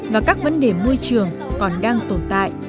và các vấn đề môi trường còn đang tồn tại